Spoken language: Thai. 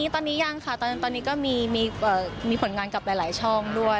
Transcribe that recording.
ตอนนี้ยังค่ะตอนนี้ก็มีผลงานกับหลายช่องด้วย